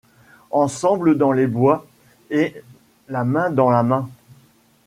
Ensemble dans les bois, et la main dans la main.